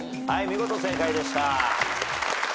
見事正解でした。